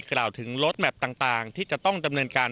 กล่าวถึงลดแมพต่างที่จะต้องดำเนินการ